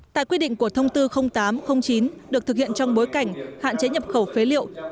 tại quy định của thông tư tám trăm linh chín được thực hiện trong bối cảnh hạn chế nhập khẩu phế liệu